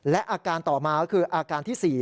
และอาการต่อมาก็คืออาการที่๔